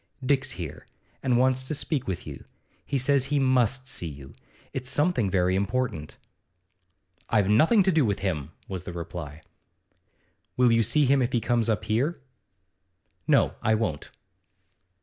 'Dick's here, and wants to speak to you. He says he must see you; it's something very important.' 'I've nothing to do with him,' was the reply. 'Will you see him if he comes up here?' 'No, I won't.